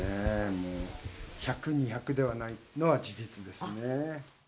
もう１００、２００ではないのは事実ですね。